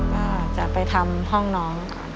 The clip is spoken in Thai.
ก็จะไปทำห้องน้อง